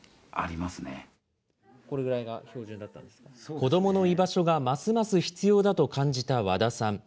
子どもの居場所がますます必要だと感じた和田さん。